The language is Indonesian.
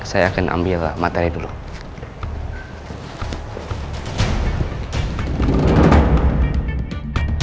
saya akan ambil materi dulu